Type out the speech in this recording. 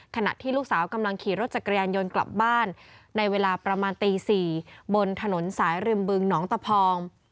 ขณะที่ลูกสาวกำลังขี่รถจักรยานยนต์กลับบ้านในเวลาประมาณตี๔บนถนนสายริมบึงหนองตะพอง